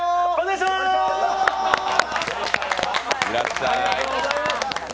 いらっしゃーい。